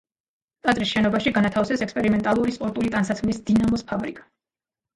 ტაძრის შენობაში განათავსეს ექსპერიმენტალური სპორტული ტანსაცმლის „დინამოს“ ფაბრიკა.